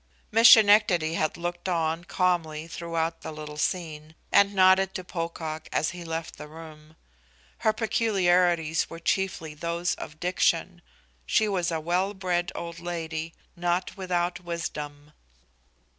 Miss Schenectady had looked on calmly throughout the little scene, and nodded to Pocock as he left the room; her peculiarities were chiefly those of diction; she was a well bred old lady, not without wisdom.